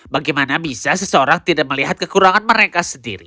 bagaimana bisa seseorang tidak melihat kekurangan mereka sendiri